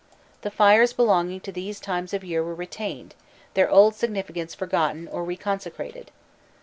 The fires belonging to these times of year were retained, their old significance forgotten or reconsecrated.